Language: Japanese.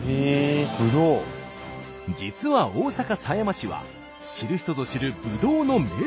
実は大阪狭山市は知る人ぞ知るぶどうの名産地。